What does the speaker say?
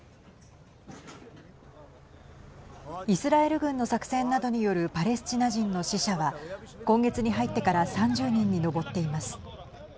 イスラエル軍の作戦などによるパレスチナ人の死者は今月に入ってから３０人に上っています。